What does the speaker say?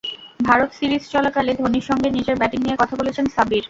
Bharat series চলাকালে ধোনির সঙ্গে নিজের ব্যাটিং নিয়ে কথা বলেছেন সাব্বির।